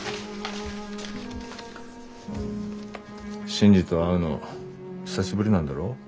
新次と会うの久しぶりなんだろ。